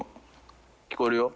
「聞こえるよ」